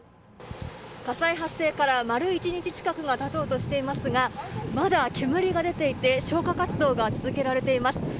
火災発生から丸１日近くが経とうとしていますがまだ煙が出ていて消火活動が続けられています。